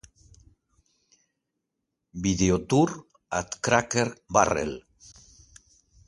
Video tour at Cracker Barrel